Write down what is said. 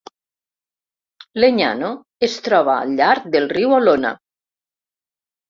Legnano es troba al llarg del riu Olona.